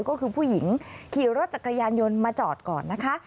ก็คือผู้หญิงขี่รถจักรยานยนต์มาจอดก่อนนะคะ